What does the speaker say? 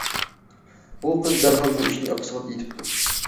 ئۇ قىز دەرھال بۇ ئىشنى ئاپىسىغا ئېيتىپتۇ.